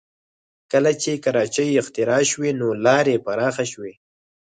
کله چې کراچۍ اختراع شوې نو لارې پراخه شوې